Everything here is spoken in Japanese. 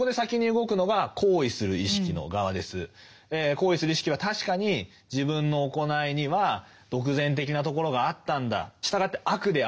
行為する意識は確かに自分の行いには独善的なところがあったんだ。